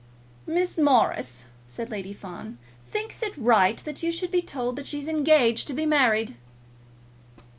"Miss Morris," said Lady Fawn, "thinks it right that you should be told that she's engaged to be married."